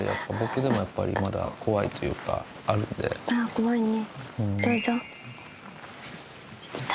怖いね。